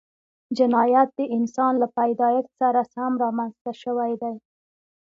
جنایت د انسان له پیدایښت سره سم رامنځته شوی دی